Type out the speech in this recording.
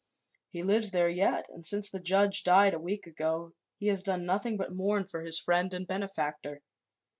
He lives there yet, and since the judge died, a week ago, he has done nothing but mourn for his friend and benefactor.